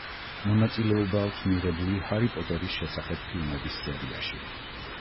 მონაწილეობა აქვს მიღებული ჰარი პოტერის შესახებ ფილმების სერიაში.